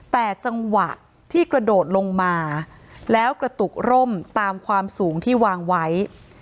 แต่จังหวะที่กระโดดลงมาแล้วกระตุกร่มตามความสูงที่วางไว้